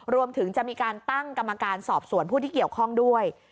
รวมถึงจะมีการตั้งกรรมการสอบสวนผู้ที่เกี่ยวข้องด้วย